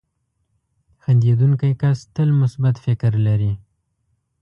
• خندېدونکی کس تل مثبت فکر لري.